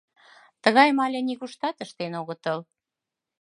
— Тыгайым але нигуштат ыштен огытыл.